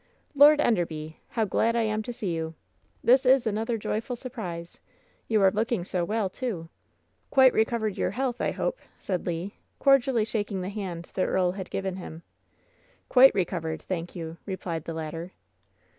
"Lord Enderby ! How glad I am to see you ! This is another joyful surprise. You are looking so well, too. Quite recovered your health, I hope," said Le, cordially shaking the hand the earl had given him. "Quite recovered, thank you," replied the latter.